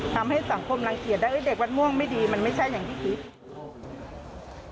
ทำให้สังคมรังเกียจได้เด็กวัดม่วงไม่ดีมันไม่ใช่อย่างที่คิด